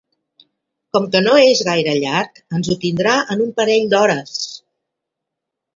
Com que no és gaire llarg ens ho tindrà en un parell d'hores.